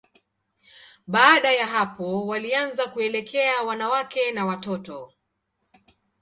Baada ya hapo, walianza kuelekea wanawake na watoto.